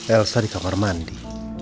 elsa di kamar mandi